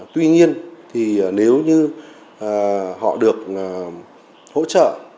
tuy nhiên nếu như họ được hỗ trợ